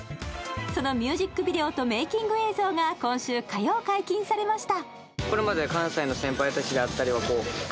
そのミュージックビデオとメイキング映像が今週火曜、解禁されました。